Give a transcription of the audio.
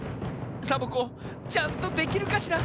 サボ子ちゃんとできるかしら？